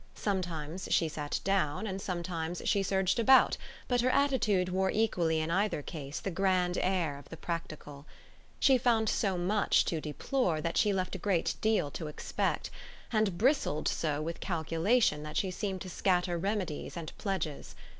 Sometimes she sat down and sometimes she surged about, but her attitude wore equally in either case the grand air of the practical. She found so much to deplore that she left a great deal to expect, and bristled so with calculation that she seemed to scatter remedies and pledges.